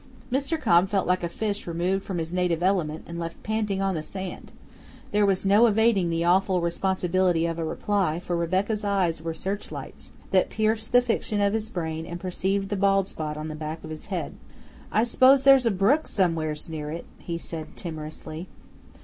Mr. Cobb felt like a fish removed from his native element and left panting on the sand; there was no evading the awful responsibility of a reply, for Rebecca's eyes were searchlights, that pierced the fiction of his brain and perceived the bald spot on the back of his head. "I s'pose there's a brook somewheres near it," he said timorously.